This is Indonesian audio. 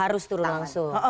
harus turun langsung